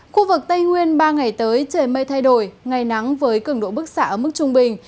khu vực tây nguyên ba ngày tới trời mây thay đổi ngày nắng với cường độ bức xạ ở mức trung bình